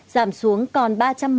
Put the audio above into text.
giảm xuống còn ba trăm một mươi